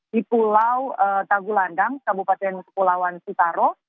di pulau tagulandang kabupaten kepulauan sitaro